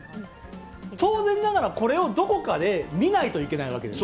当然ながら、これをどこかで、見ないといけないわけです。